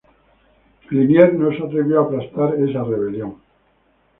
Liniers no se atrevió a aplastar esa rebelión.